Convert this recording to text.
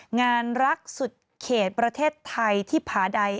งานรักสุดเขตประเทศไทยที่ผาใด